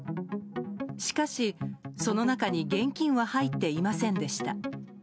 しかし、その中に現金は入っていませんでした。